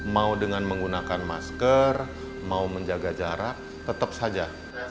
mau dengan menggunakan masker mau menjaga jarak tetap saja